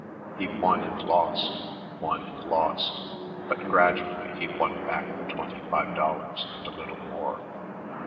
He won and lost, won and lost, but gradually he won back the twenty five dollars and a little more.